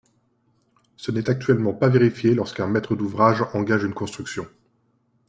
Ce n’est actuellement pas vérifié lorsqu’un maître d’ouvrage engage une construction.